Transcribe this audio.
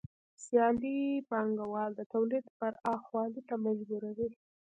سیالي پانګوال د تولید پراخوالي ته مجبوروي